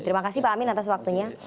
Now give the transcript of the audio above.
terima kasih pak amin atas waktunya